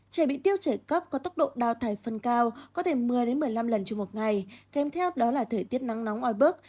trẻ bị tiêu chảy cấp có tốc độ đào thải phân cao có thể một mươi một mươi năm lần trong một ngày kèm theo đó là thời tiết nắng nóng oi bức